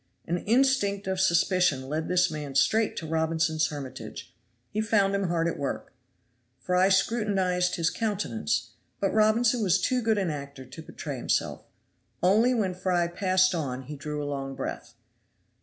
An instinct of suspicion led this man straight to Robinson's hermitage. He found him hard at work. Fry scrutinized his countenance, but Robinson was too good an actor to betray himself; only when Fry passed on he drew a long breath.